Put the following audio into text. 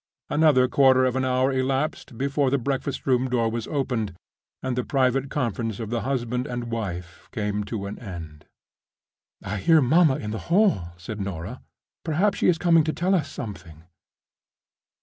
Another quarter of an hour elapsed before the breakfast room door was opened, and the private conference of the husband and wife came to an end. "I hear mamma in the hall," said Norah. "Perhaps she is coming to tell us something."